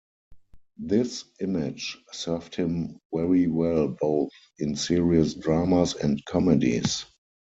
This image served him very well both in serious dramas and comedies.